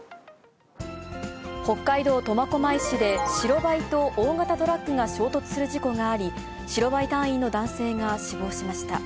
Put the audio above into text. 北海道苫小牧市で、白バイと大型トラックが衝突する事故があり、白バイ隊員の男性が死亡しました。